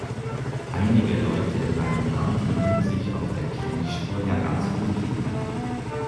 Einige Leute in meinem Land mögen sich auf der Kriechspur ja ganz wohl fühlen.